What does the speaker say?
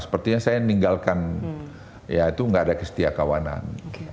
sepertinya saya ninggalkan ya itu nggak ada kestia kawanan